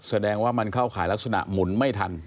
แสดงว่ามันเข้าข่ายลักษณะหมุนไม่ทัน